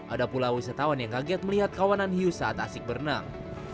ada pula wisatawan yang kaget melihat kawanan hiu saat asik berenang